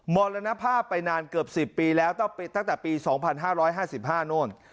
มรณภาพไปนานเกือบสิบปีแล้วตั้งแต่ปีสองพันห้าร้อยห้าสิบห้านู้น